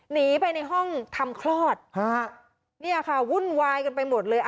หนีไปในห้องทำคลอดฮะเนี่ยค่ะวุ่นวายกันไปหมดเลย